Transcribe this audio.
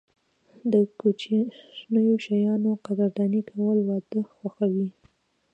د کوچنیو شیانو قدرداني کول، واده خوښوي.